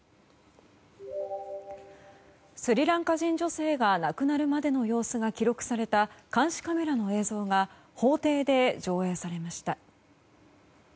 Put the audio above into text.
スリランカ人女性が亡くなるまでの様子が記録された監視カメラの映像が法廷で上映されました。